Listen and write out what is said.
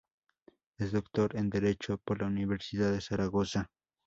Es Doctor en Derecho por la Universidad de Zaragoza.